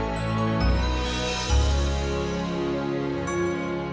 sampai jumpa lagi